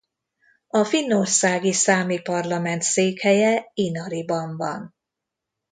A finnországi számi parlament székhelye Inariban van.